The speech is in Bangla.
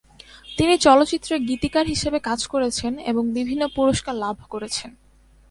তিনি চলচ্চিত্রে গীতিকার হিসেবে কাজ করেছেন এবং বিভিন্ন পুরস্কার লাভ করেছেন।